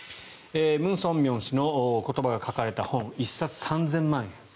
ムン・ソンミョン氏の言葉が書かれた本１冊３０００万円。